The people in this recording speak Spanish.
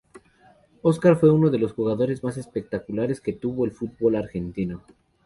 Oscar fue uno de los jugadores más espectaculares que tuvo el fútbol argentino.